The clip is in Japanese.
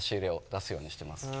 出すようにしてます。